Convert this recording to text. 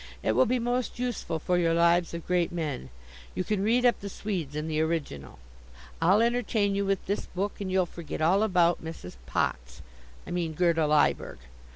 It will be most useful for your Lives of Great Men. You can read up the Swedes in the original. I'll entertain you with this book, and you'll forget all about Mrs. Potz I mean Gerda Lyberg.